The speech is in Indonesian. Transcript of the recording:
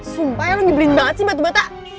sumpah ya lo ngibelin banget sih batu bata